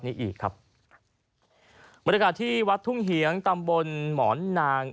อีกครับบรรยากาศที่วัดทุ่งเหียงตำบลหมอนนาง